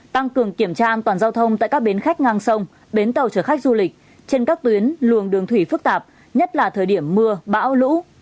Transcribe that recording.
tăng cường kiểm tra an toàn giao thông tại các bến khách ngang sông bến tàu trở khách du lịch trên các tuyến luồng đường thủy phức tạp nhất là thời điểm mưa bão lũ